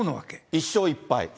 １勝１敗。